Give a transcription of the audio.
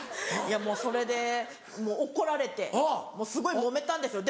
もうそれで怒られてすごいもめたんですよ。